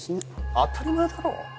当たり前だろ。